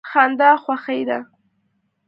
خندا خوښي ده.